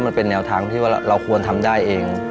มันเป็นแนวทางที่ว่าเราควรทำได้เอง